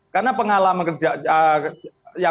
karena pengala yang sebelumnya